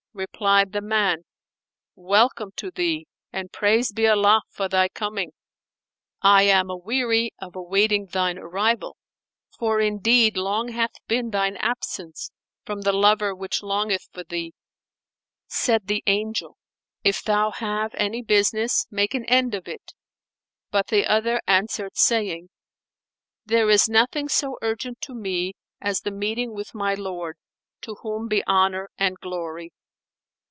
Replied the man, "Welcome to thee! and praised be Allah for thy coming! I am aweary of awaiting thine arrival; for indeed long hath been thine absence from the lover which longeth for thee." Said the Angel, "If thou have any business, make an end of it;" but the other answered, saying, "There is nothing so urgent to me as the meeting with my Lord, to whom be honour and glory!"